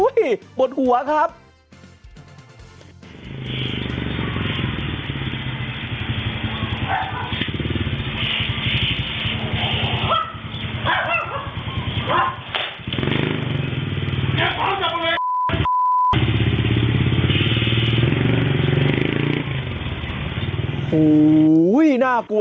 เบิร์ตลมเสียโอ้โห